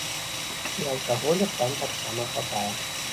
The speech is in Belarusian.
І алкаголю там таксама хапае.